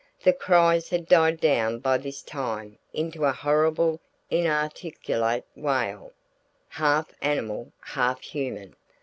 The cries had died down by this time into a horrible inarticulate wail, half animal, half human.